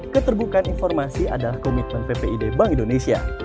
keterbukaan informasi adalah komitmen ppid bank indonesia